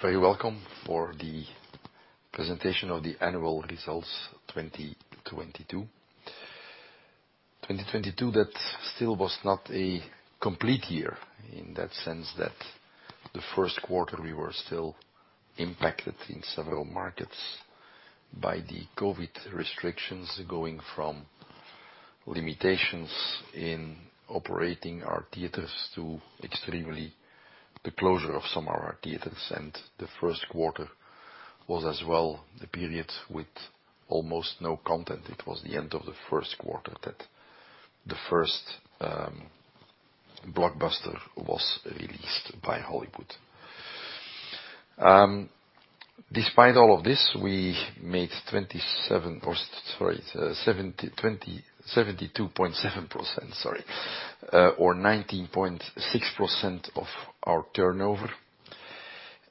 Very welcome for the presentation of the annual results 2022. 2022 that still was not a complete year in that sense that the 1st quarter we were still impacted in several markets by the COVID restrictions, going from limitations in operating our theaters to extremely the closure of some of our theaters. The 1st quarter was as well the period with almost no content. It was the end of the 1st quarter that the first blockbuster was released by Hollywood. Despite all of this, we made 27%-- sorry, 72.7%, sorry, or 19.6% of our turnover.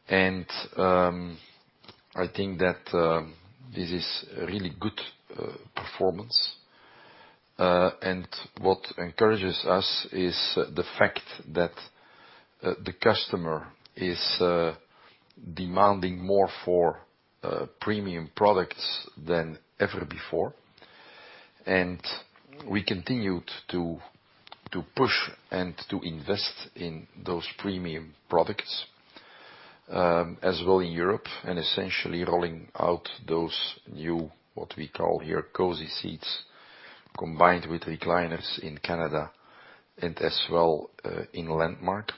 I think that this is a really good performance. What encourages us is the fact that the customer is demanding more for premium products than ever before. We continued to push and to invest in those premium products as well in Europe, essentially rolling out those new, what we call here, Cosy Seats combined with recliners in Canada and as well in Landmark.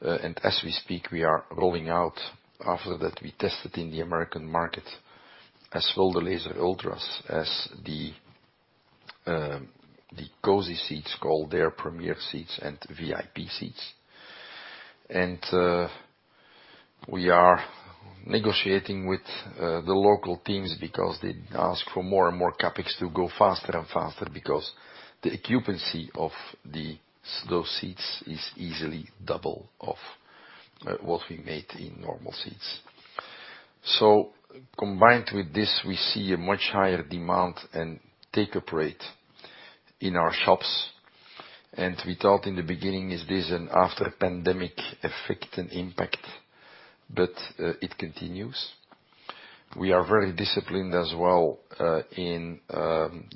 As we speak, we are rolling out after that we tested in the American market as well the Laser ULTRA as the Cosy Seats, called their Premier Seats and VIP Seats. We are negotiating with the local teams because they ask for more, and more CapEx to go faster and faster because the occupancy of those seats is easily double of what we made in normal seats. Combined with this, we see a much higher demand and take-up rate in our shops. We thought in the beginning, is this an after pandemic effect and impact? It continues. We are very disciplined as well, in,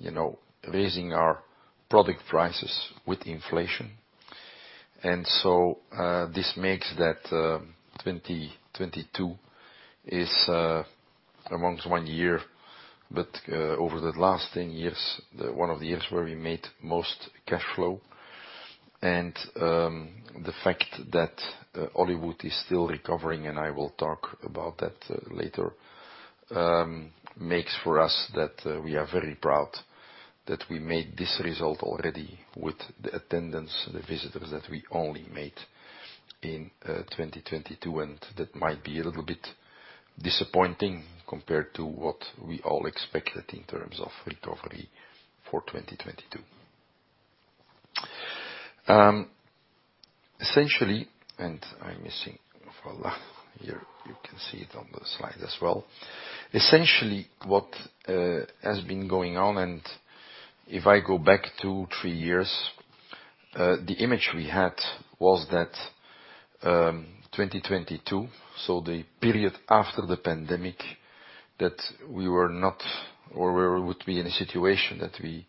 you know, raising our product prices with inflation. This makes that 2022 is amongst one year, over the last 10 years, one of the years where we made most cash flow. The fact that Hollywood is still recovering, and I will talk about that later, makes for us that we are very proud that we made this result already with the attendance, the visitors that we only made in 2022. That might be a little bit disappointing compared to what we all expected in terms of recovery for 2022. Essentially, and I'm missing. Voila. Here, you can see it on the slide as well. Essentially what has been going on, if I go back two, three years, the image we had was that 2022, so the period after the pandemic, that we were not or we would be in a situation that we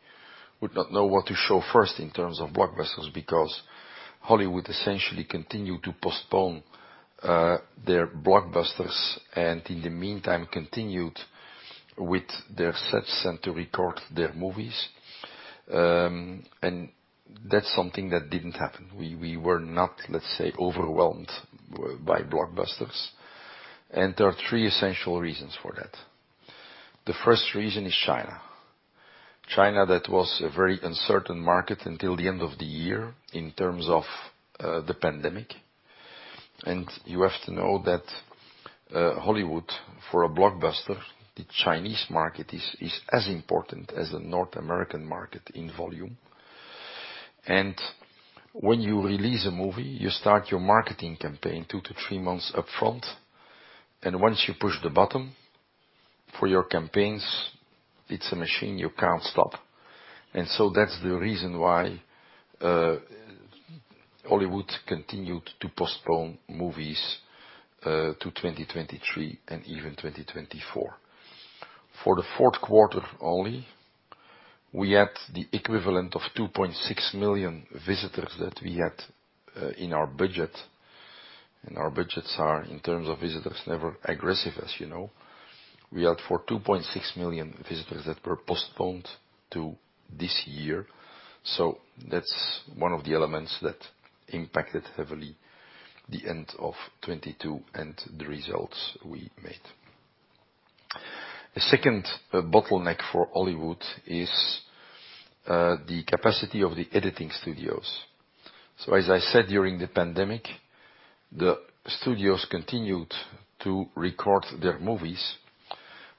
would not know what to show first in terms of blockbusters because Hollywood essentially continued to postpone their blockbusters, and in the meantime continued with their sets and to record their movies. That's something that didn't happen. We were not, let's say, overwhelmed by blockbusters. There are three essential reasons for that. The first reason is China. China that was a very uncertain market until the end of the year in terms of the pandemic. You have to know that Hollywood, for a blockbuster, the Chinese market is as important as the North American market in volume. When you release a movie, you start your marketing campaign two to three months upfront. Once you push the button for your campaigns, it's a machine you can't stop. That's the reason why Hollywood continued to postpone movies to 2023 and even 2024. For the fourth quarter only, we had the equivalent of 2.6 million visitors that we had in our budget. Our budgets are, in terms of visitors, never aggressive, as you know. We had for 2.6 million visitors that were postponed to this year. That's one of the elements that impacted heavily the end of 2022 and the results we made. The second bottleneck for Hollywood is the capacity of the editing studios. As I said, during the pandemic, the studios continued to record their movies,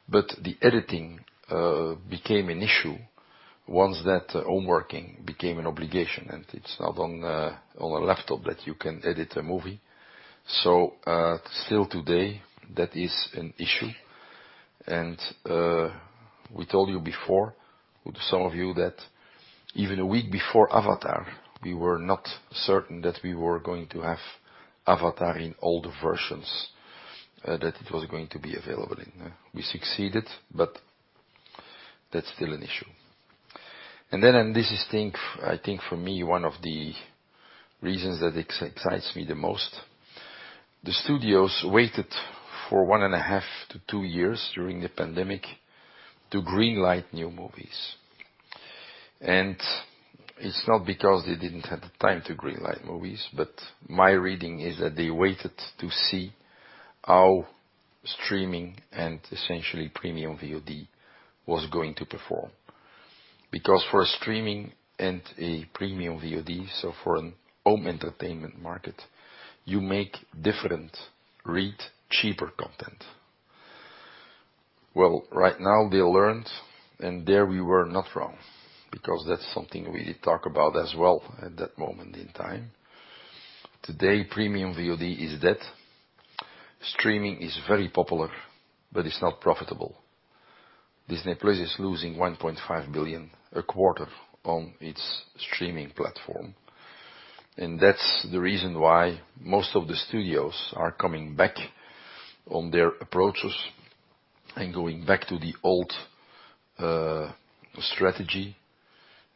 but the editing became an issue once that home working became an obligation, and it's not on a laptop that you can edit a movie. Still today, that is an issue. And we told you before, with some of you, that even a week before Avatar, we were not certain that we were going to have Avatar in all the versions that it was going to be available in. We succeeded, that's still an issue. This is I think for me one of the reasons that excites me the most, the studios waited for one and half to two years during the pandemic to green-light new movies. It's not because they didn't have the time to green-light movies, but my reading is that they waited to see how streaming, and essentially Premium VOD was going to perform. For a streaming and a Premium VOD, so for a home entertainment market, you make different, read cheaper, content. Right now they learned, and there we were not wrong, because that's something we did talk about as well at that moment in time. Today, Premium VOD is dead. Streaming is very popular, but it's not profitable. Disney Plus is losing 1.5 billion a quarter on its streaming platform. That's the reason why most of the studios are coming back on their approaches and going back to the old strategy,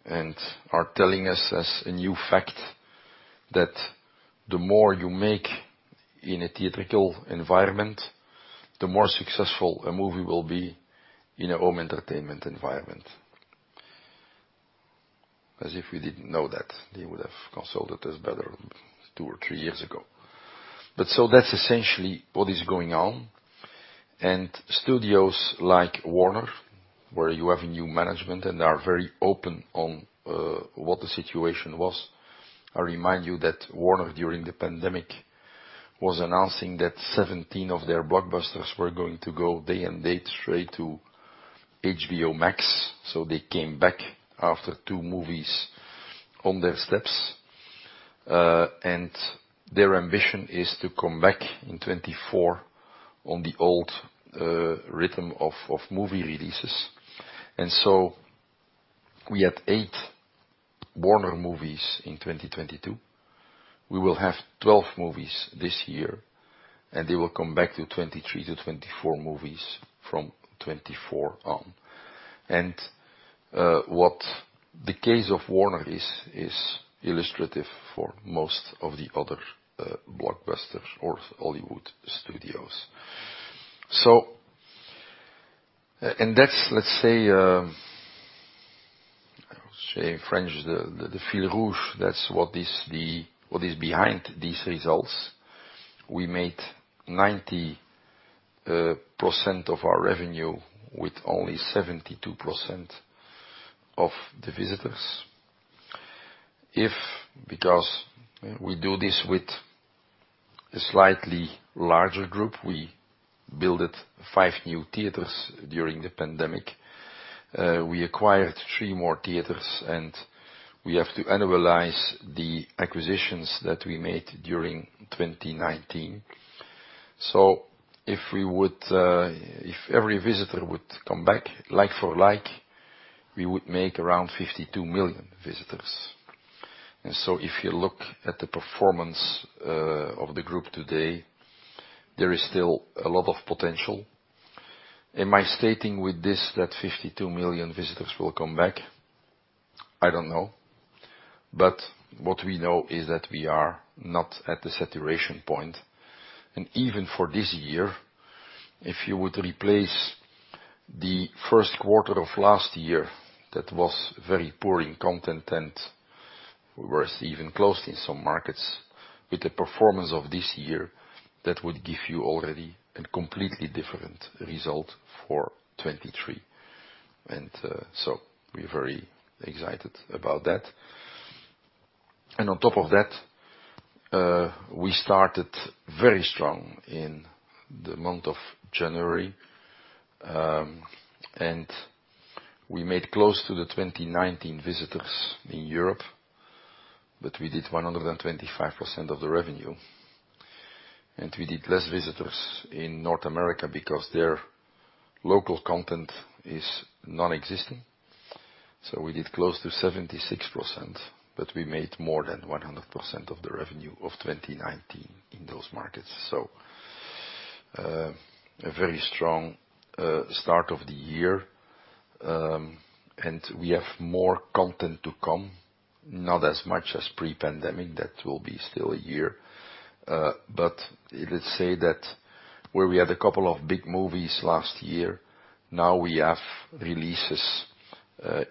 and are telling us as a new fact that the more you make in a theatrical environment, the more successful a movie will be in a home entertainment environment. As if we didn't know that, they would have consulted us better two to three years ago. That's essentially what is going on. Studios like Warner, where you have a new management and are very open on what the situation was. I remind you that Warner, during the pandemic, was announcing that 17 of their blockbusters were going to go day-and-date straight to HBO Max. They came back after two movies on their steps. Their ambition is to come back in 2024 on the old rhythm of movie releases. We had eight Warner Bros. movies in 2022. We will have 12 movies this year, they will come back to 23-24 movies from 2024 on. What the case of Warner Bros. is illustrative for most of the other blockbusters or Hollywood studios. That's, let's say in French, the fil rouge, that's what is behind these results. We made 90% of our revenue with only 72% of the visitors. If because we do this with a slightly larger group, we builded five new theaters during the pandemic, we acquired three more theaters, we have to annualize the acquisitions that we made during 2019. If we would, if every visitor would come back like for like, we would make around 52 million visitors. If you look at the performance of the group today, there is still a lot of potential. Am I stating with this that 52 million visitors will come back? I don't know. What we know is that we are not at the saturation point. Even for this year, if you would replace the first quarter of last year, that was very poor in content, and we were even closed in some markets, with the performance of this year, that would give you already a completely different result for 2023. We're very excited about that. On top of that, we started very strong in the month of January. We made close to the 2019 visitors in Europe, but we did 125% of the revenue. We did less visitors in North America because their local content is non-existent. We did close to 76%, but we made more than 100% of the revenue of 2019 in those markets. A very strong start of the year. We have more content to come, not as much as pre-pandemic. That will be still a year. Let's say that where we had a couple of big movies last year, now we have releases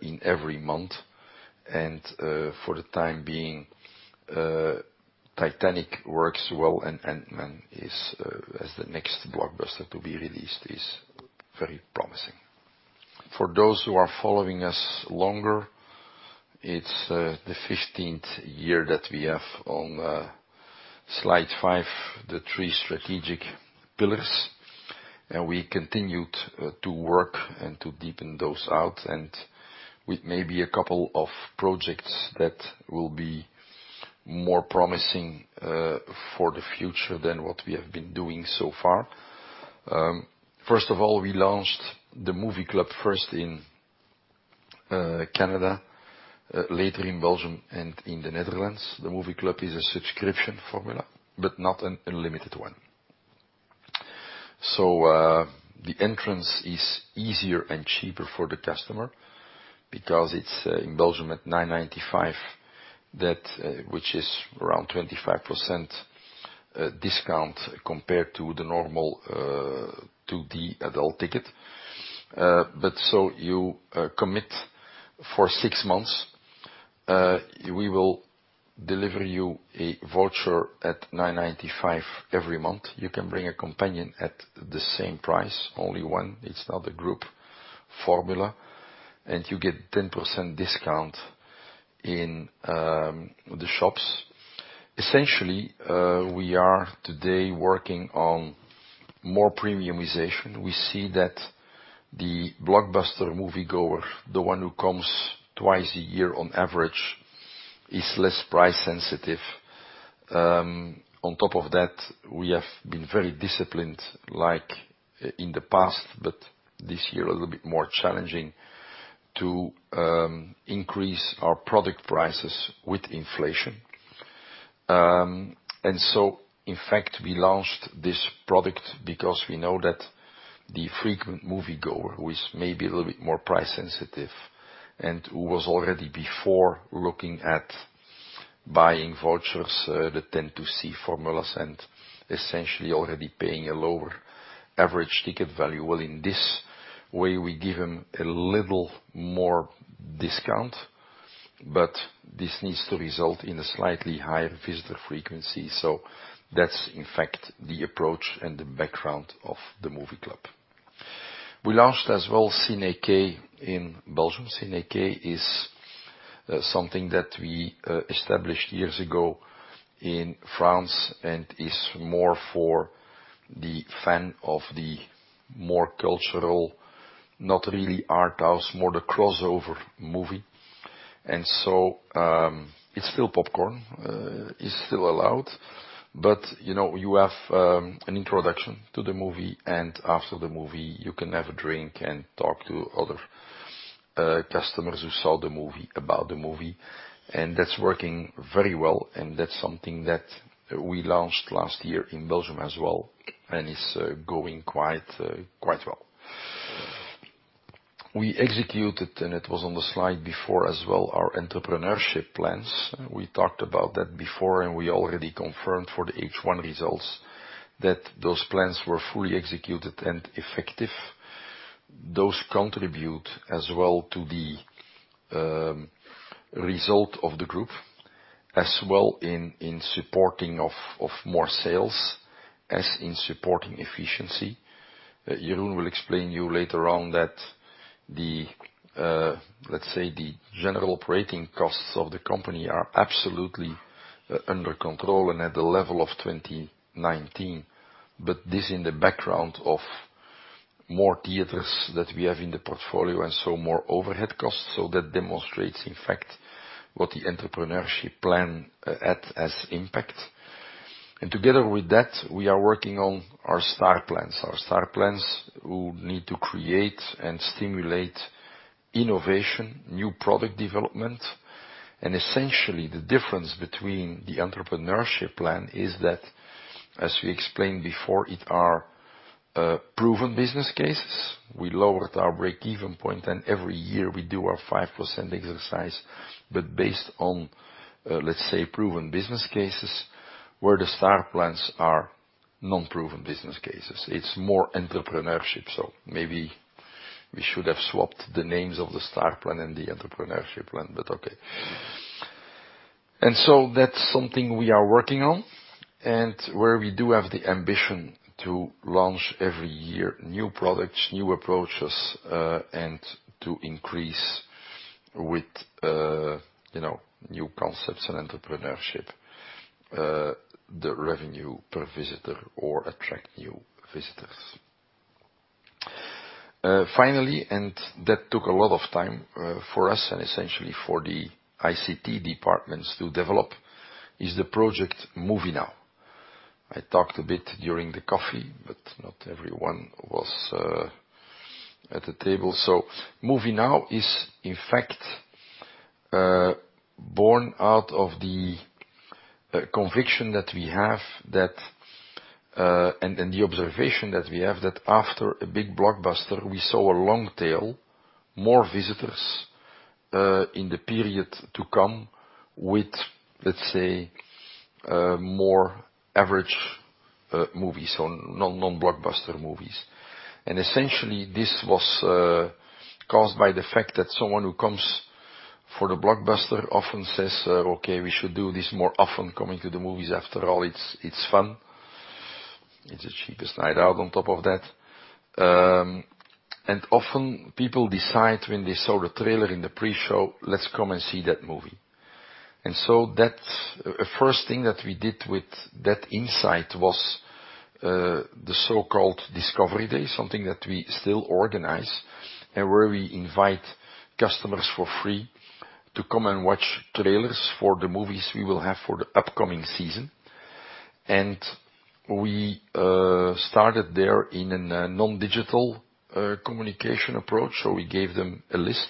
in every month. For the time being, Titanic works well and Ant-Man is as the next blockbuster to be released, is very promising. For those who are following us longer, it's the 15th year that we have on slide 5, the three strategic pillars. We continued to work and to deepen those out and with maybe a couple of projects that will be more promising for the future than what we have been doing so far. First of all, we launched the Movie Club, first in Canada, later in Belgium and in the Netherlands. The Movie Club is a subscription formula, but not an unlimited one. The entrance is easier and cheaper for the customer because it's in Belgium at 9.95, that which is around 25% discount compared to the normal 2D adult ticket. You commit for six months. We will deliver you a voucher at 9.95 every month. You can bring a companion at the same price. Only one. It's not a group formula. You get 10% discount in the shops. Essentially, we are today working on more premiumization. We see that the blockbuster moviegoer, the one who comes twice a year on average, is less price-sensitive. On top of that, we have been very disciplined, like in the past, but this year a little bit more challenging, to increase our product prices with inflation. In fact, we launched this product because we know that the frequent moviegoer who is maybe a little bit more price-sensitive and who was already before looking at buying vouchers, the 10 to see formulas and essentially already paying a lower average ticket value. Well, in this way, we give them a little more discount. This needs to result in a slightly higher visitor frequency. That's in fact the approach and the background of the Movie Club. We launched as well Cine K in Belgium. Cine K is something that we established years ago in France and is more for the fan of the more cultural, not really art house, more the crossover movie. It's still popcorn is still allowed. You know, you have an introduction to the movie, and after the movie you can have a drink and talk to other customers who saw the movie about the movie. That's working very well. That's something that we launched last year in Belgium as well, and it's going quite well. We executed, and it was on the slide before as well, our Entrepreneurship plans. We talked about that before. We already confirmed for the H1 results that those plans were fully executed and effective. Those contribute as well to the result of the group, as well in supporting of more sales, as in supporting efficiency. Jeroen will explain you later on that the, let's say, the general operating costs of the company are absolutely under control, and at the level of 2019. This in the background of more theaters that we have in the portfolio, and so more overhead costs. That demonstrates in fact, what the Entrepreneurship plan had as impact. Together with that, we are working on our Star plans. Our Star plans will need to create and stimulate innovation, new product development. Essentially the difference between the entrepreneurship plan is that, as we explained before, it are proven business cases. We lowered our break-even point, and every year we do our 5% exercise, but based on, let's say, proven business cases, where the star plans are non-proven business cases. It's more entrepreneurship, so maybe we should have swapped the names of the star plan, and the entrepreneurship plan, but okay. That's something we are working on and where we do have the ambition to launch every year, new products, new approaches, and to increase with, you know, new concepts and entrepreneurship, the revenue per visitor or attract new visitors. Finally, and that took a lot of time, for us and essentially for the ICT departments to develop is the project MovieNow. I talked a bit during the coffee, but not everyone was at the table. MovieNow is in fact, born out of the conviction that we have that, and the observation that we have that after a big blockbuster, we saw a long tail, more visitors in the period to come with, let's say, more average movies or non-blockbuster movies. Essentially, this was caused by the fact that someone who comes for the blockbuster often says, "Okay, we should do this more often, coming to the movies. After all, it's fun." It's the cheapest night out on top of that. Often people decide when they saw the trailer in the pre-show, "Let's come and see that movie." First thing that we did with that insight was the so-called Discovery Day, something that we still organize, and where we invite customers for free to come and watch trailers for the movies we will have for the upcoming season. We started there in a non-digital communication approach. So we gave them a list.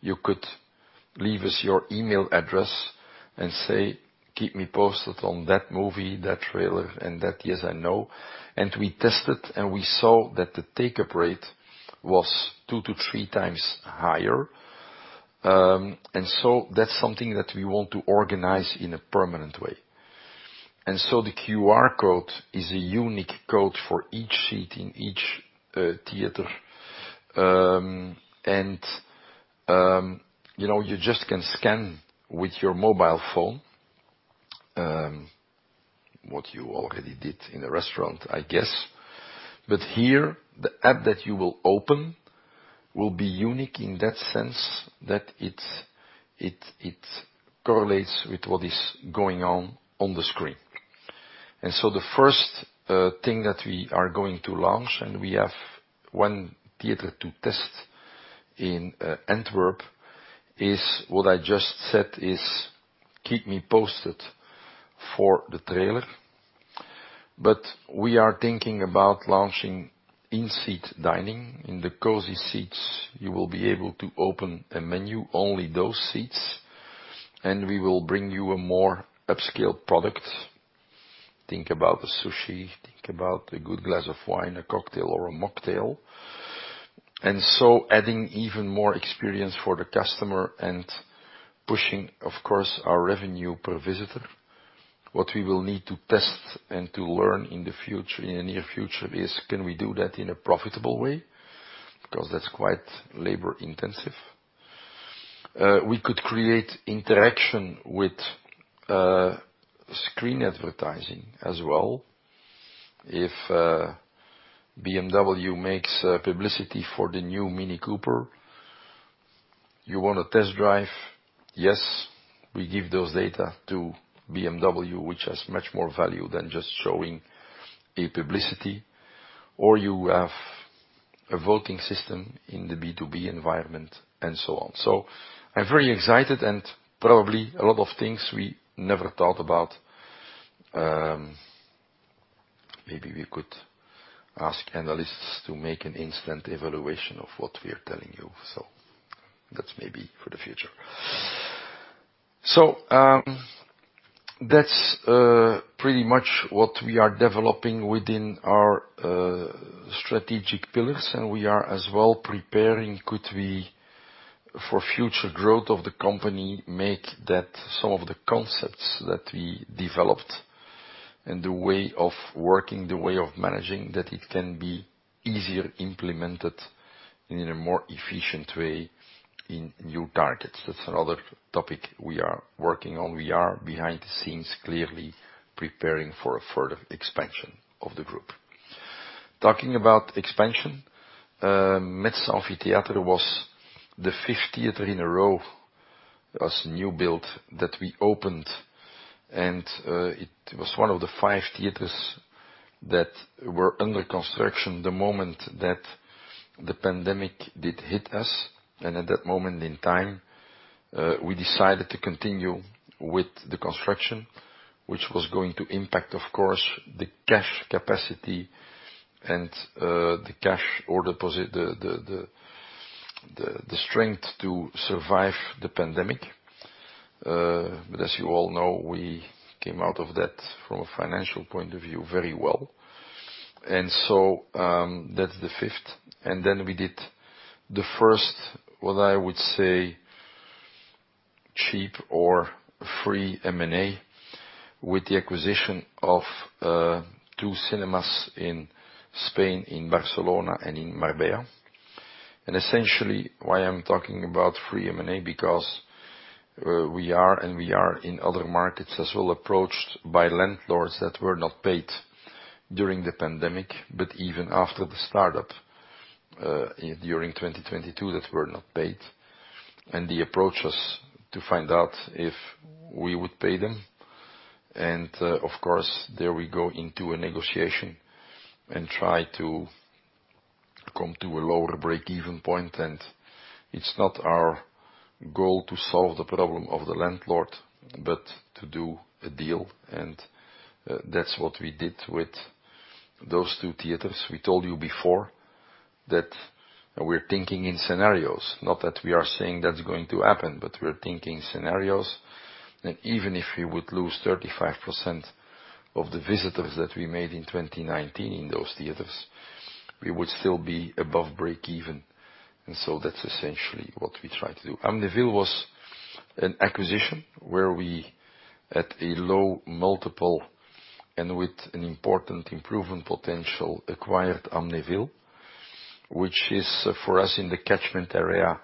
You could leave us your email address and say, "Keep me posted on that movie, that trailer, and that yes and no." We tested, and we saw that the take-up rate was two to three times higher. That's something that we want to organize in a permanent way. The QR code is a unique code for each seat in each theater. you know, you just can scan with your mobile phone, what you already did in a restaurant, I guess. But here, the app that you will open will be unique in that sense that it's, it correlates with what is going on on the screen. The first thing that we are going to launch, and we have one theater to test in Antwerp, is what I just said is keep me posted for the trailer. We are thinking about launching in-seat dining. In the Cosy Seats, you will be able to open a menu, only those seats. We will bring you a more upscale product. Think about a sushi, think about a good glass of wine, a cocktail, or a mocktail. Adding even more experience for the customer and pushing, of course, our revenue per visitor. What we will need to test, and to learn in the future, in the near future is, can we do that in a profitable way? 'Cause that's quite labor-intensive. We could create interaction with, screen advertising as well. If, BMW makes publicity for the new Mini Cooper, you want a test drive? Yes, we give those data to BMW, which has much more value than just showing a publicity. Or you have a voting system in the B2B environment and so on. I'm very excited and probably a lot of things we never thought about, maybe we could ask analysts to make an instant evaluation of what we are telling you. That's maybe for the future. That's pretty much what we are developing within our strategic pillars, and we are as well preparing, could we, for future growth of the company, make that some of the concepts that we developed and the way of working, the way of managing, that it can be easier implemented in a more efficient way in new targets. That's another topic we are working on. We are behind the scenes, clearly preparing for a further expansion of the Group. Talking about expansion, Metz Amphitheatre was the fifth theater in a row, as new build that we opened. It was one of the five theaters that were under construction the moment that the pandemic did hit us. At that moment in time, we decided to continue with the construction, which was going to impact, of course, the cash capacity and the cash or deposit, the strength to survive the pandemic. As you all know, we came out of that from a financial point of view very well. That's the fifth. We did the first, what I would say, cheap or free M&A with the acquisition of two cinemas in Spain, in Barcelona, and in Marbella. Essentially, why I'm talking about free M&A, because we are and we are in other markets as well approached by landlords that were not paid during the pandemic, but even after the startup, during 2022 that were not paid. They approach us to find out if we would pay them. Of course, there we go into a negotiation and try to come to a lower break-even point. It's not our goal to solve the problem of the landlord, but to do a deal. That's what we did with those two theaters. We told you before that we're thinking in scenarios. Not that we are saying that's going to happen, but we're thinking scenarios. Even if we would lose 35% of the visitors that we made in 2019 in those theaters, we would still be above break even. That's essentially what we try to do. Amneville was an acquisition where we, at a low multiple and with an important improvement potential, acquired Amneville, which is for us in the catchment area,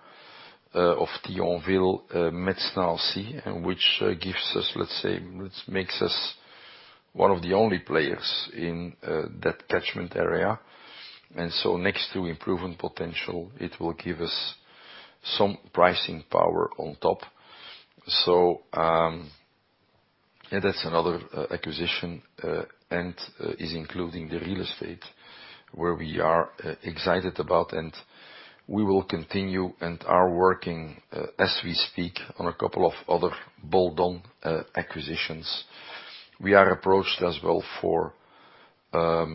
of Thionville, Metz, Nancy, and which gives us, let's say, which makes us one of the only players in that catchment area. Next to improvement potential, it will give us some pricing power on top. Yeah, that's another acquisition, and is including the real estate where we are excited about. We will continue and are working as we speak on a couple of other build-on acquisitions. We are approached as well for,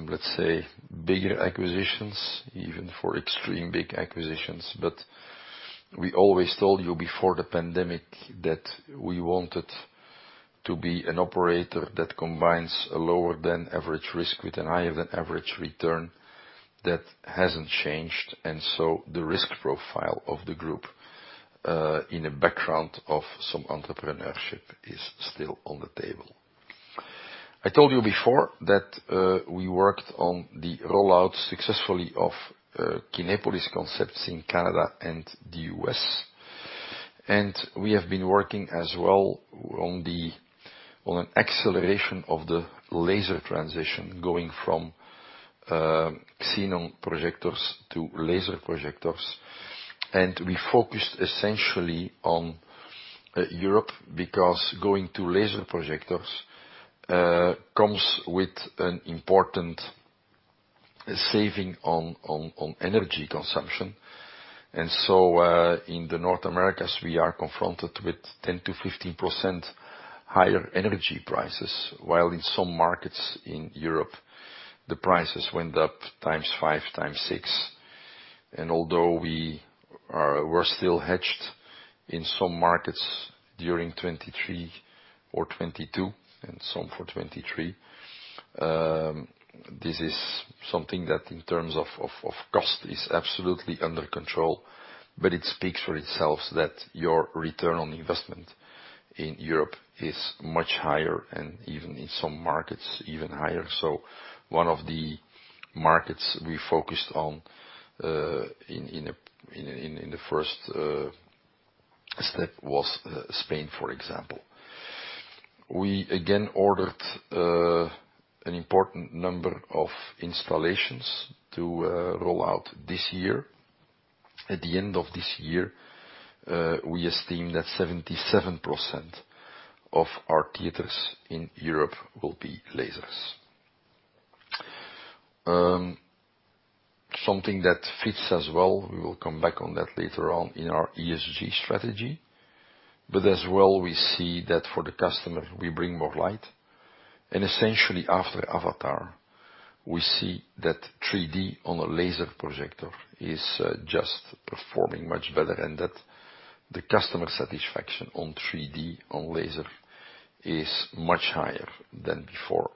let's say, bigger acquisitions, even for extreme big acquisitions. We always told you before the pandemic that we wanted to be an operator that combines a lower than average risk with a higher than average return. That hasn't changed, the risk profile of the group, in the background of some entrepreneurship is still on the table. I told you before that, we worked on the rollout successfully of Kinepolis concepts in Canada and the U.S. We have been working as well on an acceleration of the laser transition going from xenon projectors to laser projectors. We focused essentially on Europe, because going to laser projectors, comes with an important saving on energy consumption. In the North Americas, we are confronted with 10%-15% higher energy prices, while in some markets in Europe, the prices went up 5x, 6x. Although we were still hedged in some markets during 2023 or 2022 and some for 2023, this is something that in terms of cost is absolutely under control. It speaks for itself that your return on investment in Europe is much higher, and even in some markets, even higher. One of the markets we focused on in the first step was Spain, for example. We again ordered an important number of installations to roll out this year. At the end of this year, we esteem that 77% of our theaters in Europe will be lasers. Something that fits as well, we will come back on that later on in our ESG strategy. As well, we see that for the customer, we bring more light. Essentially, after Avatar, we see that 3D on a laser projector is just performing much better and that the customer satisfaction on 3D on laser is much higher than before.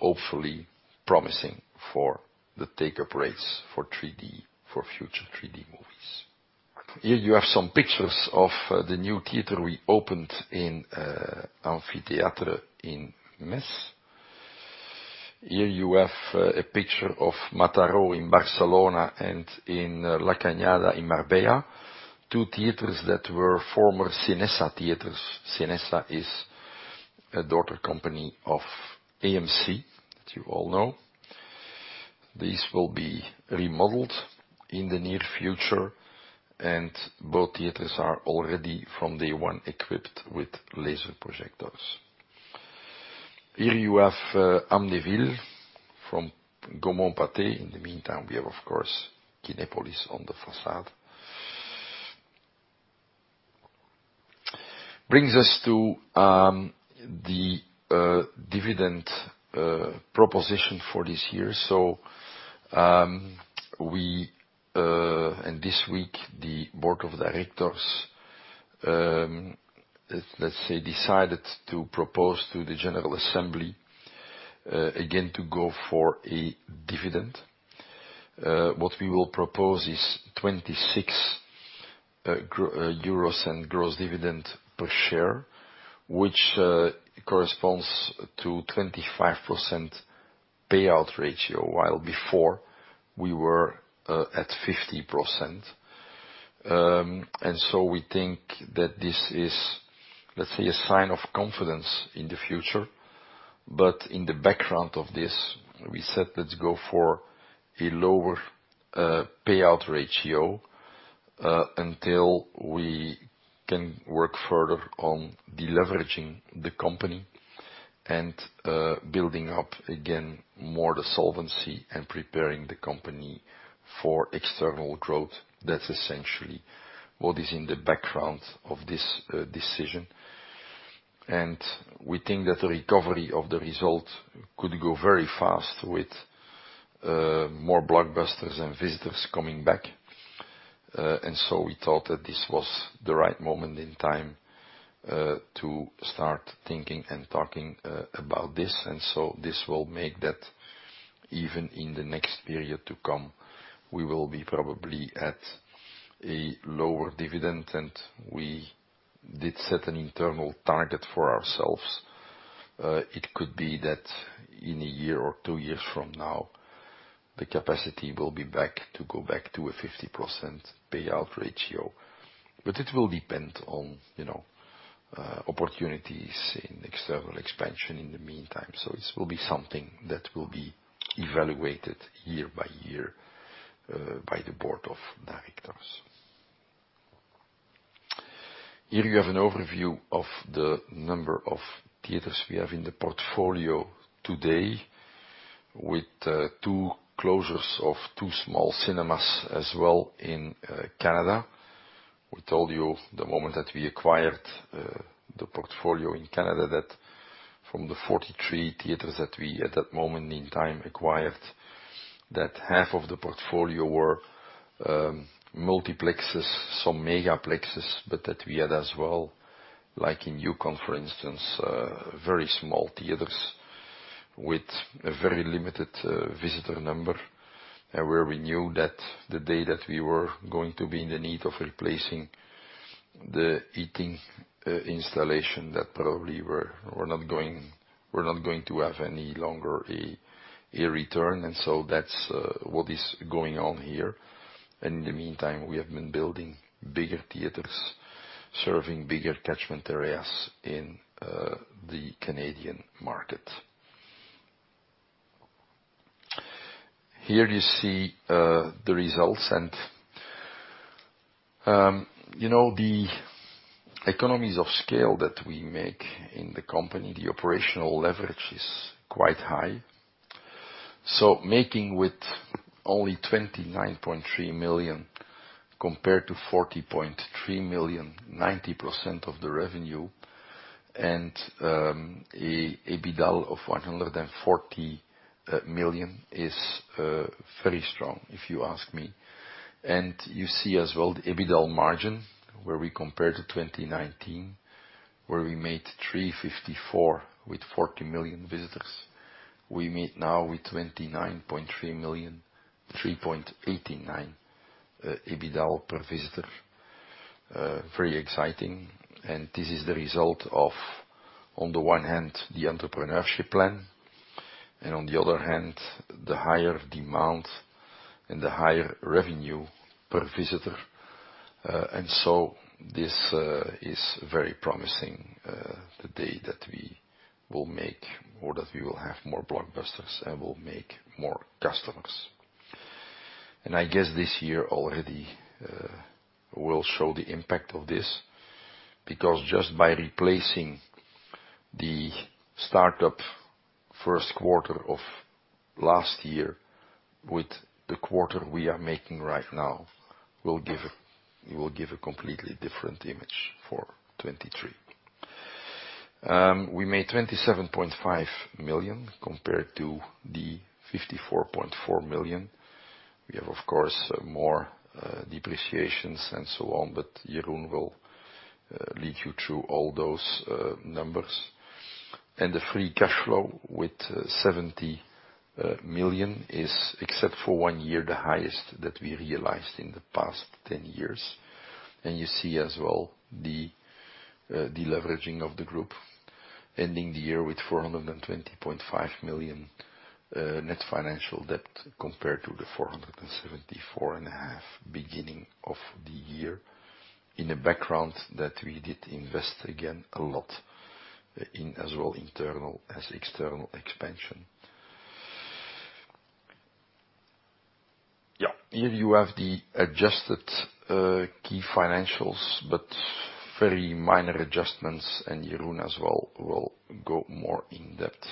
Hopefully promising for the take-up rates for 3D, for future 3D movies. Here you have some pictures of the new theater we opened in Amphitheatre in Metz. Here you have a picture of Mataró in Barcelona and in La Cañada in Marbella, two theaters that were former Cinesa theaters. Cinesa is a daughter company of AMC that you all know. These will be remodeled in the near future, and both theaters are already from day one, equipped with laser projectors. Here you have Amnéville from Gaumont Pathé. In the meantime, we have, of course, Kinepolis on the façade. Brings us to the dividend proposition for this year. This week, the board of directors, let's say, decided to propose to the general assembly again, to go for a dividend. What we will propose is 0.26 euros gross dividend per share, which corresponds to 25% payout ratio, while before we were at 50%. We think that this is, let's say, a sign of confidence in the future. In the background of this, we said, "Let's go for a lower payout ratio until we can work further on deleveraging the company, and building up again more the solvency, and preparing the company for external growth." That's essentially what is in the background of this decision. We think that the recovery of the result could go very fast with more blockbusters and visitors coming back. We thought that this was the right moment in time to start thinking and talking about this. This will make that even in the next period to come, we will be probably at a lower dividend, and we did set an internal target for ourselves. It could be that in a year or two years from now, the capacity will be back to go back to a 50% payout ratio. It will depend on, you know, opportunities in external expansion in the meantime. This will be something that will be evaluated year by year, by the board of directors. Here you have an overview of the number of theaters we have in the portfolio today, with two closures of two small cinemas as well in Canada. We told you the moment that we acquired the portfolio in Canada that from the 43 theaters that we at that moment in time acquired, that half of the portfolio were multiplexes, some megaplexes, but that we had as well, like in Yukon for instance, very small theaters with a very limited visitor number. Where we knew that the day that we were going to be in the need of replacing the heating installation, that probably we're not going to have any longer a return. That's what is going on here. In the meantime, we have been building bigger theaters, serving bigger catchment areas in the Canadian market. Here you see the results. You know, the economies of scale that we make in the company, the operational leverage is quite high. Making with only 29.3 million compared to 40.3 million, 90% of the revenue and a EBITDA of 140 million is very strong if you ask me. You see as well the EBITDA margin where we compare to 2019, where we made 3.54 with 40 million visitors. We made now with 29.3 million, 3.89 EBITDA per visitor. Very exciting. This is the result of, on the one hand, the Entrepreneurship plan, and on the other hand, the higher demand and the higher revenue per visitor. This is very promising, the day that we will make or that we will have more blockbusters and will make more customers. I guess this year already will show the impact of this because just by replacing the startup first quarter of last year with the quarter we are making right now will give a, will give a completely different image for 2023. We made 27.5 million compared to 54.4 million. We have of course more depreciations and so on, but Jeroen will lead you through all those numbers. The free cash flow with 70 million is except for one year the highest that we realized in the past 10 years. You see as well the leveraging of the group ending the year with 420.5 million net financial debt compared to 474.5 million beginning of the year in the background that we did invest again a lot in as well internal as external expansion. Here you have the adjusted key financials, very minor adjustments and Jeroen as well will go more in depth.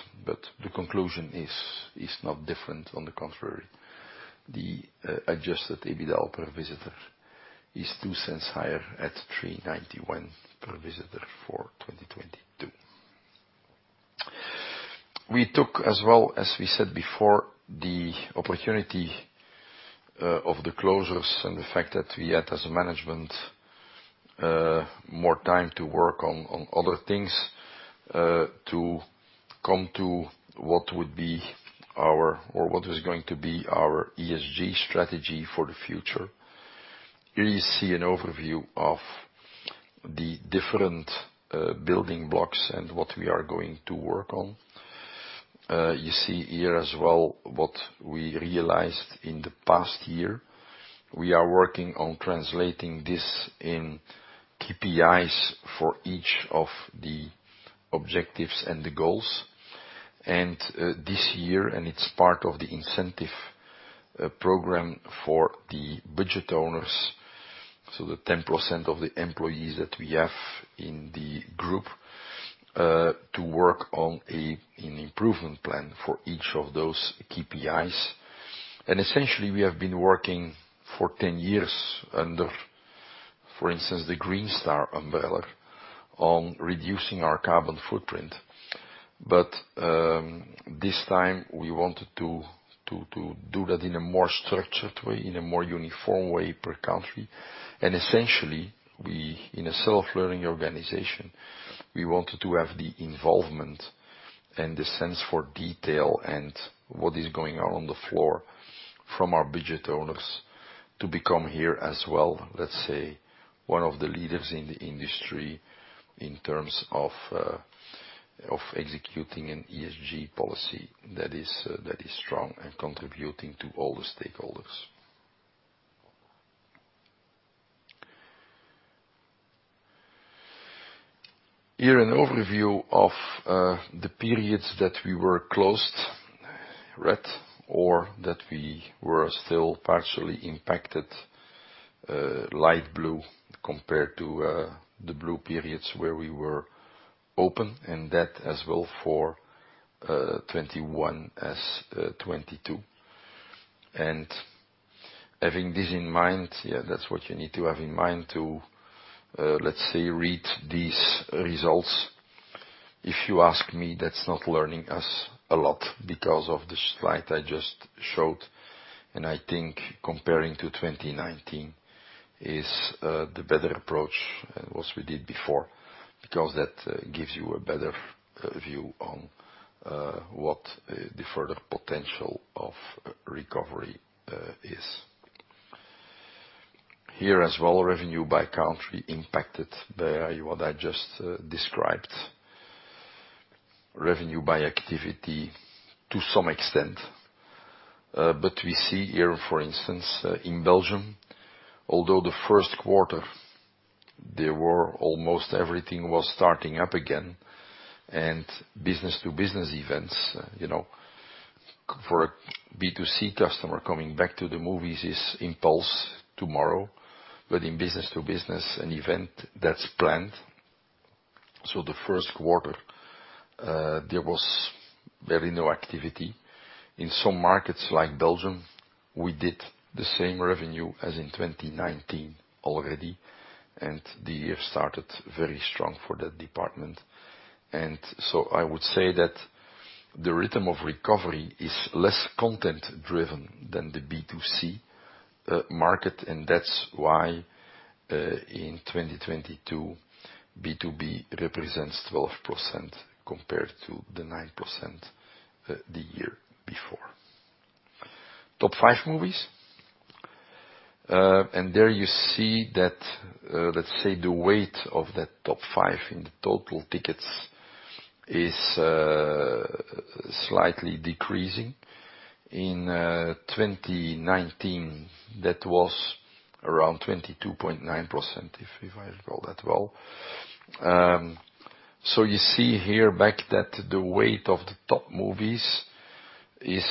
The conclusion is not different. On the contrary, the adjusted EBITDA per visitor is 0.02 higher at 3.91 per visitor for 2022. We took as well, as we said before, the opportunity of the closures and the fact that we had as management more time to work on other things to come to what would be our... or what is going to be our ESG strategy for the future. Here you see an overview of the different building blocks, and what we are going to work on. You see here as well what we realized in the past year. We are working on translating this in KPIs for each of the objectives and the goals. This year, and it's part of the incentive program for the budget owners, so the 10% of the employees that we have in the group, to work on a an improvement plan for each of those KPIs. Essentially, we have been working for 10 years under, for instance, the Green Star umbrella on reducing our carbon footprint. This time we wanted to do that in a more structured way, in a more uniform way per country. Essentially, we, in a self-learning organization, we wanted to have the involvement, and the sense for detail and what is going on on the floor from our budget owners to become here as well, let's say, one of the leaders in the industry in terms of executing an ESG policy that is strong, and contributing to all the stakeholders. Here an overview of the periods that we were closed, red, or that we were still partially impacted, light blue compared to the blue periods where we were open, and that as well for 2021 as 2022. Having this in mind, that's what you need to have in mind to, let's say, read these results. If you ask me, that's not learning us a lot because of the slide I just showed. I think comparing to 2019 is the better approach what we did before, because that gives you a better view on what the further potential of recovery is. Here as well, revenue by country impacted by what I just described. Revenue by activity to some extent. But we see here, for instance, in Belgium, although the first quarter there were almost everything was starting up again, and business to business events, you know, for a B2C customer coming back to the movies is impulse tomorrow. In business to business, an event that's planned. The first quarter, there was barely no activity. In some markets like Belgium, we did the same revenue as in 2019 already, and the year started very strong for that department. I would say that the rhythm of recovery is less content-driven than the B2C market. That's why, in 2022 B2B represents 12% compared to the 9% the year before. Top five movies. There you see that, let's say the weight of that top five in the total tickets is slightly decreasing. In 2019, that was around 22.9%, if I recall that well. You see here back that the weight of the top movies is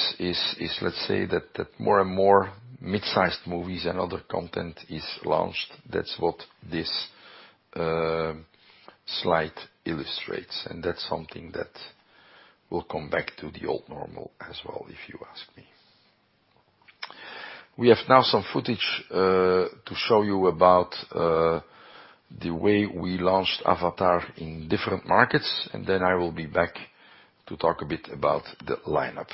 let's say that more, and more mid-sized movies, and other content is launched. That's what this slide illustrates, and that's something that will come back to the old normal as well, if you ask me. We have now some footage to show you about the way we launched Avatar in different markets, and then I will be back to talk a bit about the lineup.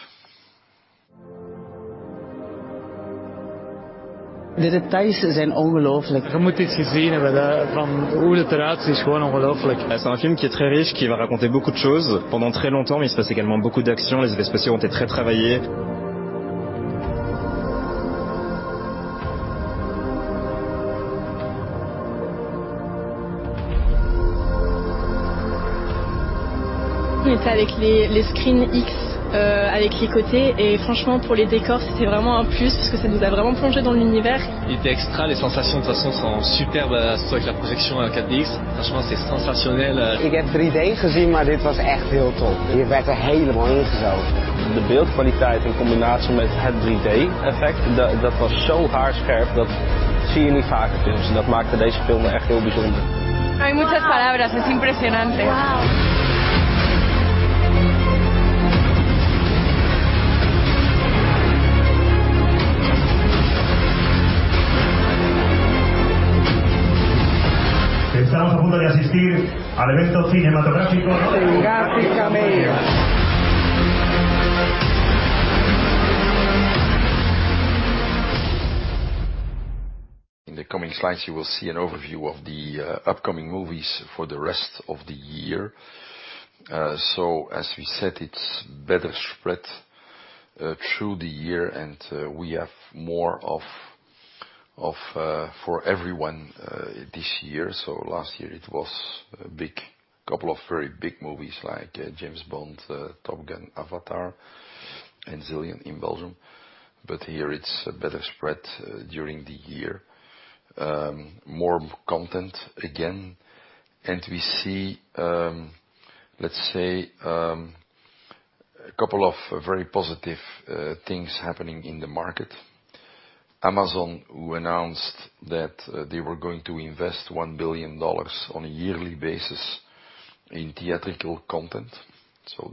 In the coming slides, you will see an overview of the upcoming movies for the rest of the year. As we said, it's better spread through the year, and we have more of for everyone this year. Last year it was a big couple of very big movies like James Bond, Top Gun, Avatar and Zillion in Belgium. Here it's better spread during the year. More content again. We see, let's say, a couple of very positive things happening in the market. Amazon, who announced that they were going to invest $1 billion on a yearly basis in theatrical content,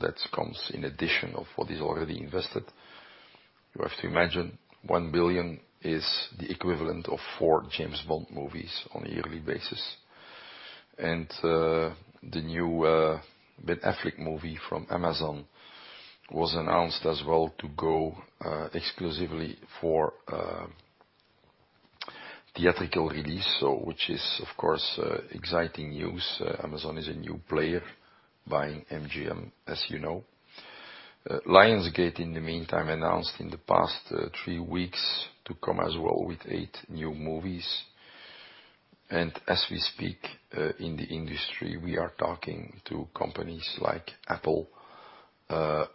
that comes in addition of what is already invested. You have to imagine $1 billion is the equivalent of four James Bond movies on a yearly basis. The new Ben Affleck movie from Amazon was announced as well to go exclusively for theatrical release, which is of course exciting news. Amazon is a new player buying MGM, as you know. Lionsgate, in the meantime, announced in the past three weeks to come as well with eight new movies. As we speak, in the industry, we are talking to companies like Apple,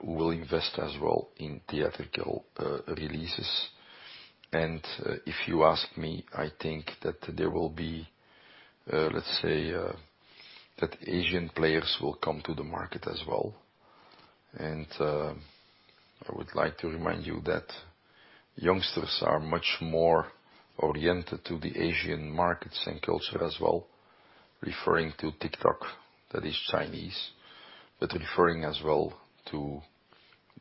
we'll invest as well in theatrical releases. If you ask me, I think that there will be, let's say, that Asian players will come to the market as well. I would like to remind you that youngsters are much more oriented to the Asian markets, and culture as well, referring to TikTok, that is Chinese, but referring as well to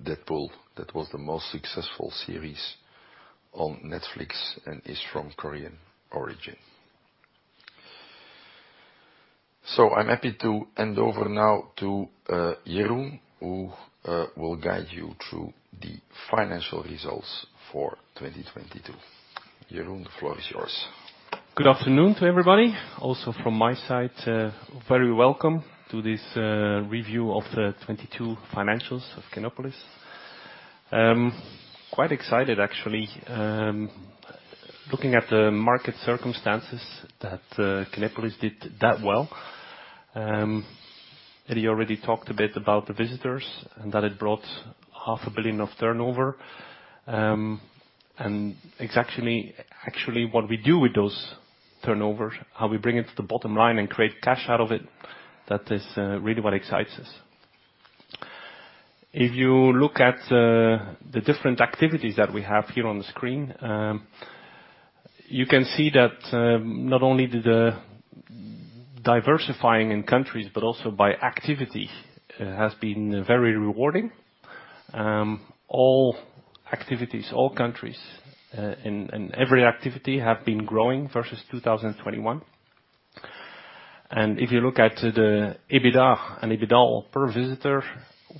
Deadpool. That was the most successful series on Netflix and is from Korean origin. I'm happy to hand over now to Jeroen, who will guide you through the financial results for 2022. Jeroen, the floor is yours. Good afternoon to everybody. Also from my side, very welcome to this review of the 2022 financials of Kinepolis. Quite excited actually, looking at the market circumstances that Kinepolis did that well. Eddy already talked a bit about the visitors, and that it brought half a billion EUR of turnover, and it's actually what we do with those turnovers, how we bring it to the bottom line and create cash out of it. That is really what excites us. If you look at the different activities that we have here on the screen, you can see that not only did the diversifying in countries, but also by activity, has been very rewarding. All activities, all countries, and every activity have been growing versus 2021. If you look at the EBITDA and EBITDA per visitor,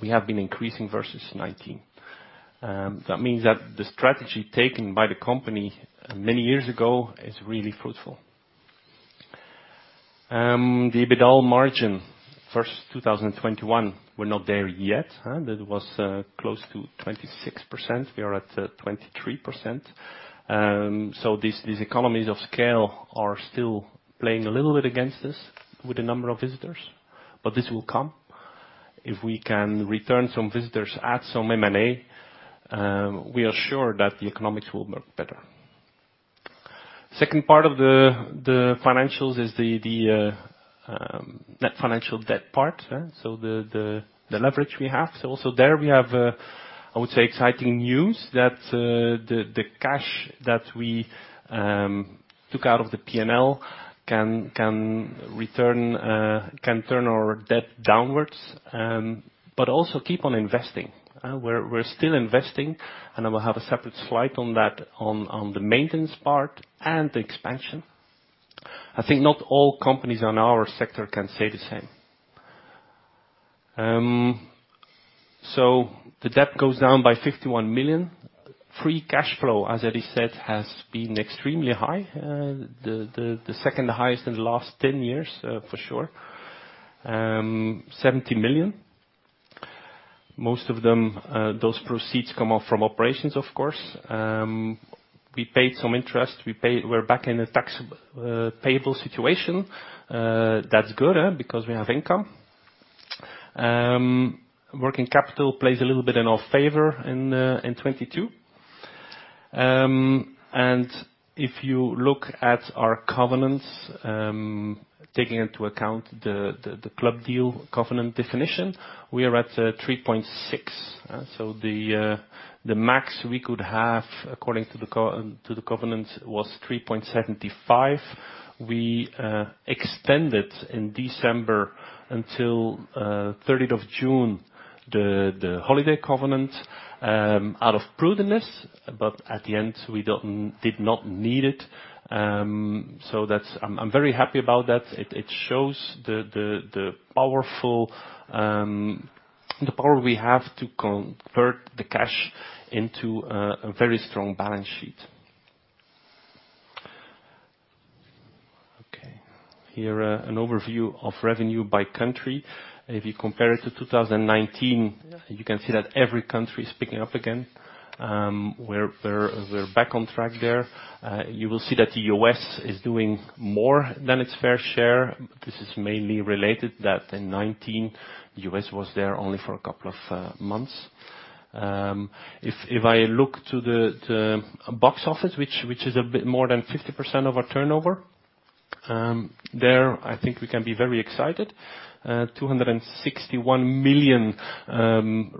we have been increasing versus 19. That means that the strategy taken by the company many years ago is really fruitful. The EBITDA margin versus 2021, we're not there yet, huh? That was close to 26%. We are at 23%. These economies of scale are still playing a little bit against us with the number of visitors. This will come. If we can return some visitors, add some M&A, we are sure that the economics will work better. Second part of the financials is the net financial debt part, yeah? The leverage we have. Also there we have, I would say, exciting news that the cash that we took out of the P&L can return, can turn our debt downwards, also keep on investing, we're still investing, and I will have a separate slide on that, on the maintenance part and the expansion. I think not all companies on our sector can say the same. The debt goes down by 51 million. Free cash flow, as Eddie said, has been extremely high. The second highest in the last 10 years, for sure. 70 million. Most of them, those proceeds come from operations, of course. We paid some interest. We're back in a tax payable situation. That's good, huh? Because we have income. Working capital plays a little bit in our favor in 2022. If you look at our covenants, taking into account the club deal covenant definition, we are at 3.6. The max we could have according to the covenant was 3.75. We extended in December until the 30th of June, the holiday covenant, out of prudence. At the end, we did not need it. That's I'm very happy about that. It shows the powerful power we have to convert the cash into a very strong balance sheet. Here, an overview of revenue by country. If you compare it to 2019, you can see that every country is picking up again. We're back on track there. You will see that the U.S. is doing more than its fair share. This is mainly related that in 2019, U.S. was there only for a couple of months. If I look to the box office, which is a bit more than 50% of our turnover, there, I think we can be very excited. 261 million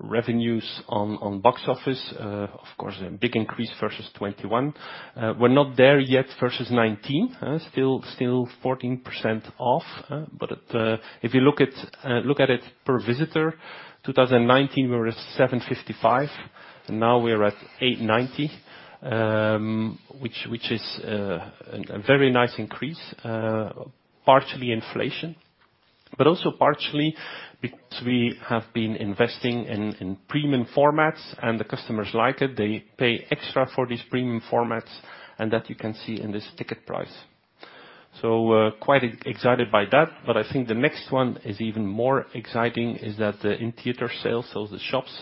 revenues on box office. Of course, a big increase versus 2021. We're not there yet versus 2019. Still 14% off, huh? If you look at it per visitor, 2019, we were at 7.55, and now we're at 8.90, which is a very nice increase. partially inflation, but also partially because we have been investing in premium formats, and the customers like it. They pay extra for these premium formats, and that you can see in this ticket price. quite excited by that. I think the next one is even more exciting is that the in-theater sales, so the shops,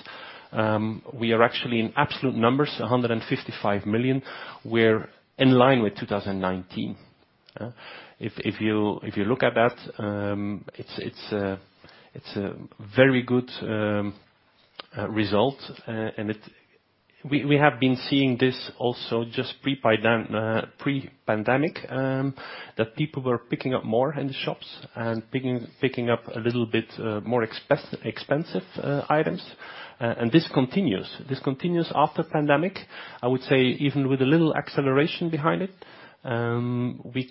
we are actually in absolute numbers, 155 million. We're in line with 2019. If you look at that, it's a very good result. And we have been seeing this also just pre-pandemic that people were picking up more in the shops and picking up a little bit more expensive items. And this continues. This continues after pandemic, I would say even with a little acceleration behind it. This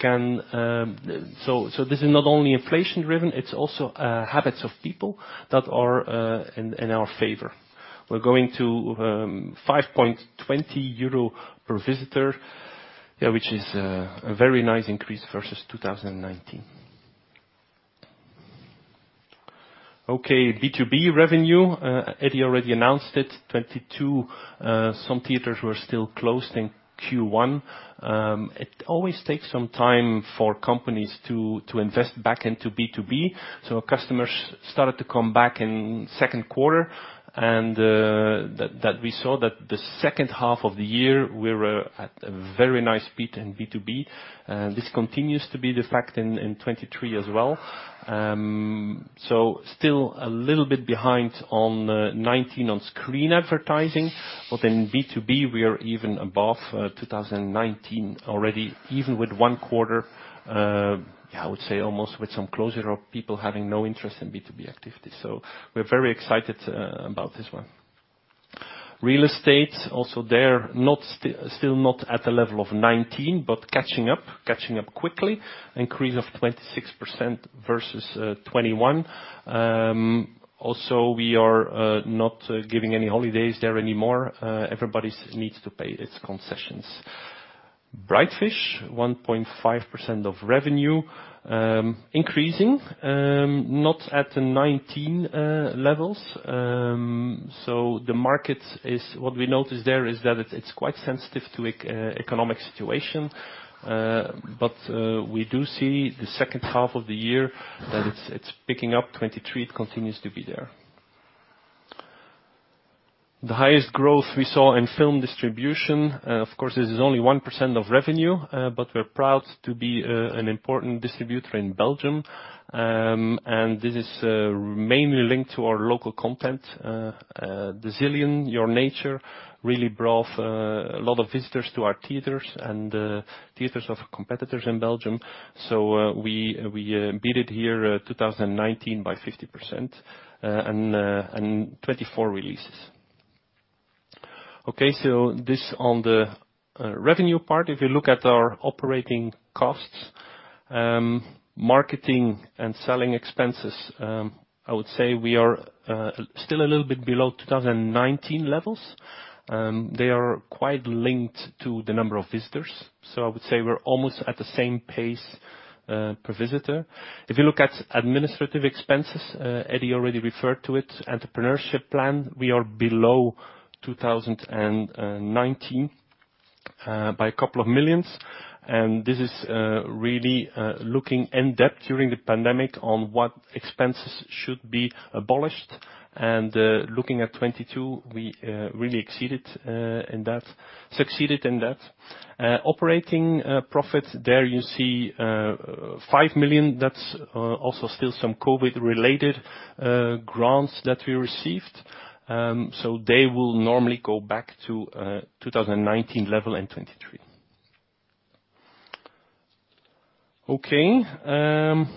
is not only inflation-driven, it's also habits of people that are in our favor. We're going to 5.20 euro per visitor, which is a very nice increase versus 2019. B2B revenue, Eddy already announced it, 22, some theaters were still closed in Q1. It always takes some time for companies to invest back into B2B. Customers started to come back in second quarter and that we saw that the second half of the year, we were at a very nice beat in B2B, and this continues to be the fact in 2023 as well. Still a little bit behind on 2019 on-screen advertising, but in B2B, we are even above 2019 already, even with 1 quarter, with some closure of people having no interest in B2B activity. We're very excited about this one. Real estate, also there, not still not at the level of 2019, but catching up, catching up quickly, increase of 26% versus 2021. Also, we are not giving any holidays there anymore. Everybody's needs to pay its concessions. Brightfish, 1.5% of revenue, increasing, not at the 2019 levels. The market is what we notice there is that it's quite sensitive to economic situation, but we do see the second half of the year that it's picking up. 2023, it continues to be there. The highest growth we saw in film distribution, of course, this is only 1% of revenue, but we're proud to be an important distributor in Belgium. This is mainly linked to our local content, The Zillion: Your Nature really brought a lot of visitors to our theaters and theaters of competitors in Belgium. We beated here 2019 by 50%, and 24 releases. This on the revenue part. If you look at our operating costs, marketing and selling expenses, I would say we are still a little bit below 2019 levels. They are quite linked to the number of visitors. I would say we're almost at the same pace per visitor. If you look at administrative expenses, Eddy already referred to it, Entrepreneurship plan, we are below 2019 by a couple of millions. This is really looking in-depth during the pandemic on what expenses should be abolished, and looking at 2022, we really succeeded in that. Operating profits, there you see 5 million. That's also still some COVID-related grants that we received. They will normally go back to 2019 level in 2023. Okay,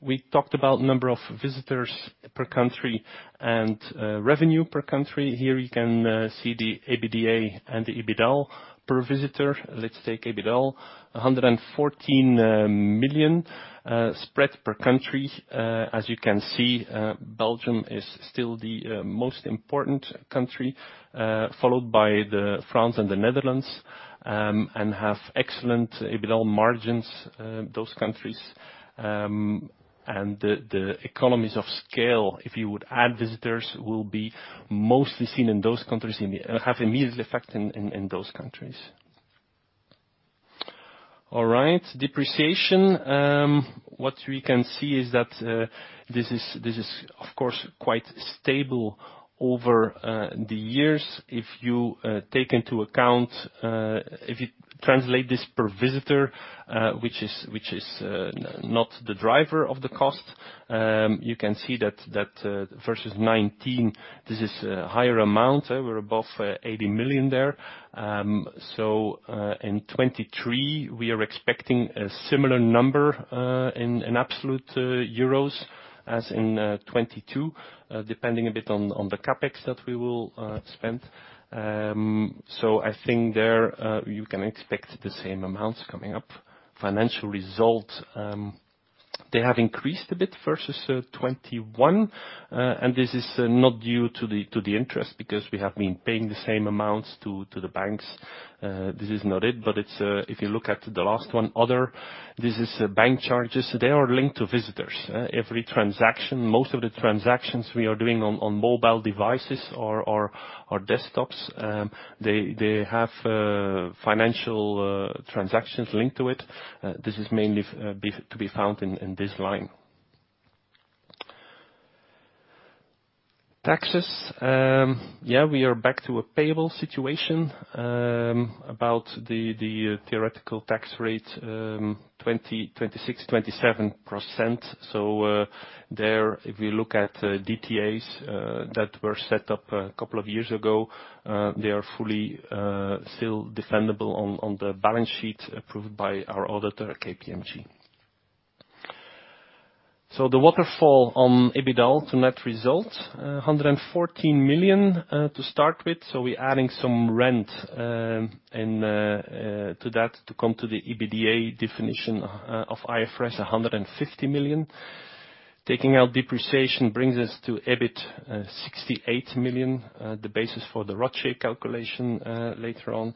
we talked about number of visitors per country and revenue per country. Here you can see the EBITDA and the EBITDAL per visitor. Let's take EBITDAL, 114 million spread per country. As you can see, Belgium is still the most important country, followed by the France, and the Netherlands, and have excellent EBITDAL margins, those countries. The economies of scale, if you would add visitors, will be mostly seen in those countries and have immediate effect in those countries. All right, depreciation. What we can see is that this is of course, quite stable over the years. If you take into account, if you translate this per visitor, which is not the driver of the cost, you can see that versus 2019, this is a higher amount. We're above 80 million there. In 2023, we are expecting a similar number in absolute EUR as in 2022, depending a bit on the CapEx that we will spend. So I think there you can expect the same amounts coming up. Financial result, they have increased a bit versus 2021. And this is not due to the interest because we have been paying the same amounts to the banks. This is not it, but it's if you look at the last one, other, this is bank charges. They are linked to visitors. Every transaction, most of the transactions we are doing on mobile devices or desktops, they have financial transactions linked to it. This is mainly to be found in this line. Taxes. Yeah, we are back to a payable situation, about the theoretical tax rate, 20%, 26%, 27%. there, if we look at DTAs, that were set up a couple of years ago, they are fully still defendable on the balance sheet approved by our auditor, KPMG. The waterfall on EBITDA to net results, 114 million to start with. We're adding some rent, and to that to come to the EBITDA definition of IFRS, 150 million. Taking out depreciation brings us to EBIT, 68 million, the basis for the ROCE calculation later on.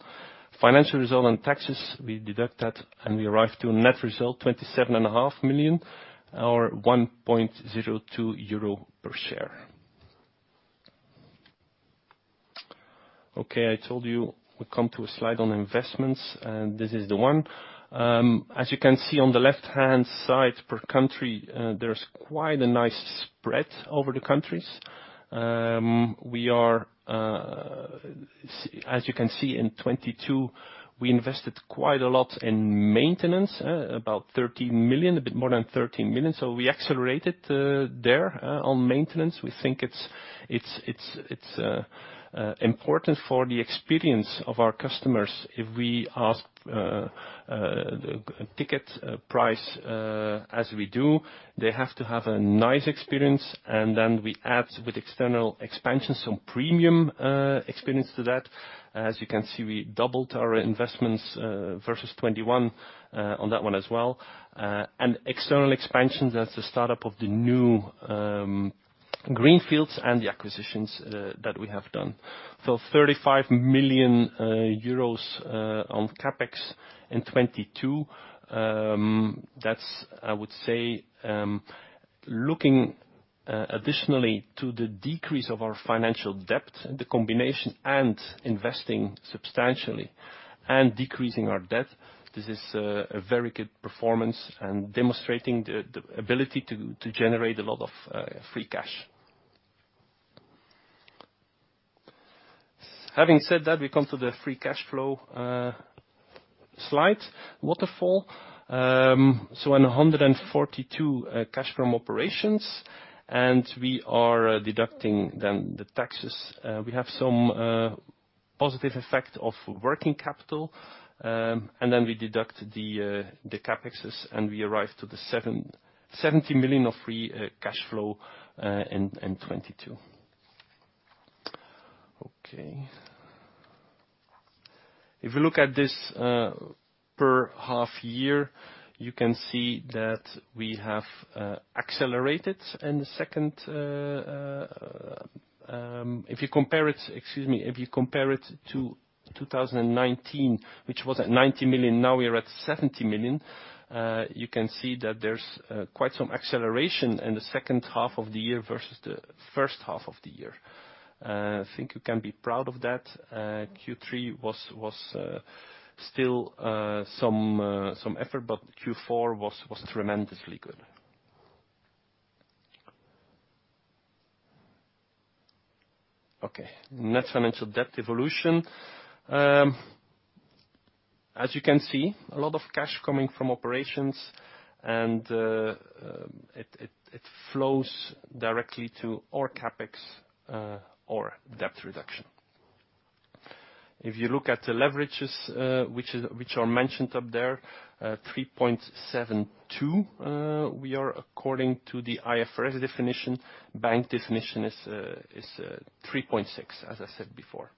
Financial result and taxes, we deduct that, and we arrive to a net result, 27.5 million or 1.02 euro per share. Okay, I told you we come to a slide on investments. This is the one. As you can see on the left-hand side per country, there's quite a nice spread over the countries. We are, as you can see, in 2022, we invested quite a lot in maintenance, about 13 million, a bit more than 13 million. We accelerated there on maintenance. We think it's important for the experience of our customers. If we ask the ticket price as we do, they have to have a nice experience, and then we add with external expansion some premium experience to that. As you can see, we doubled our investments versus 2021 on that one as well. external expansions, that's the start up of the new greenfields, and the acquisitions that we have done. 35 million euros on CapEx in 2022. That's, I would say, looking additionally to the decrease of our financial debt, the combination, and investing substantially and decreasing our debt. This is a very good performance and demonstrating the ability to generate a lot of free cash. Having said that, we come to the free cash flow slide waterfall. On 142 cash from operations, and we are deducting then the taxes. We have some positive effect of working capital, and then we deduct the CapEx, and we arrive to the 70 million of free cash flow in 2022. Okay. If you look at this, per half year, you can see that we have accelerated. Excuse me. If you compare it to 2019, which was at 90 million, now we're at 70 million, you can see that there's quite some acceleration in the second half of the year versus the first half of the year. I think you can be proud of that. Q3 was still some effort, but Q4 was tremendously good. Okay, net financial debt evolution. As you can see, a lot of cash coming from operations, and it flows directly to our CapEx or debt reduction. If you look at the leverages, which are mentioned up there, 3.72, we are according to the IFRS definition. Bank definition is 3.6, as I said before.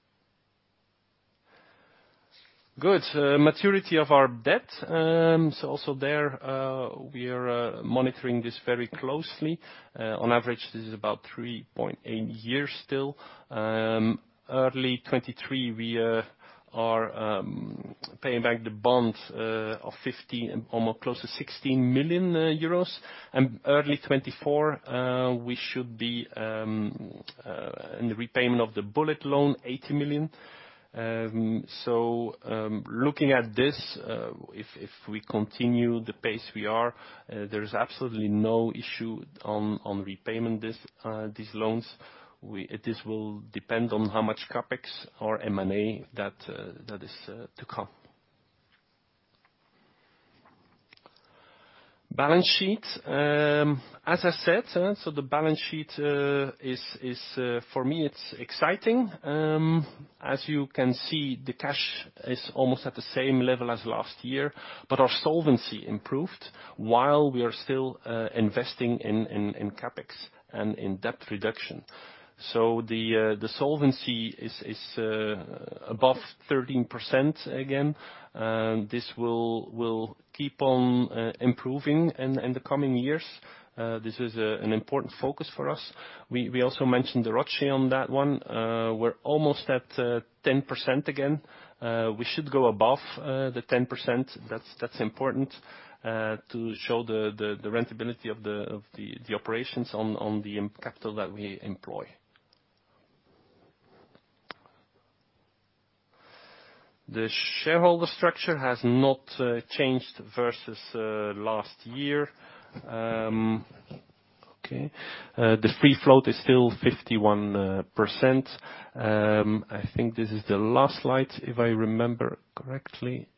Good. Maturity of our debt. Also there, we are monitoring this very closely. On average, this is about 3.8 years still. Early 2023, we are paying back the bonds of 15, almost close to 16 million euros. Early 2024, we should be in the repayment of the bullet loan, 80 million. Looking at this, if we continue the pace we are, there is absolutely no issue on repayment these loans. This will depend on how much CapEx or M&A that is to come. Balance sheet. As I said, the balance sheet is for me, it's exciting. As you can see, the cash is almost at the same level as last year, but our solvency improved while we are still investing in CapEx and in debt reduction. The solvency is above 13% again. This will keep on improving in the coming years. This is an important focus for us. We also mentioned the ROCE on that one. We're almost at 10% again. We should go above the 10%. That's important to show the rentability of the operations on the capital that we employ. The shareholder structure has not changed versus last year. Okay. The free float is still 51%. I think this is the last slide, if I remember correctly.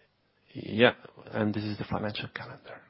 Yeah, this is the financial calendar.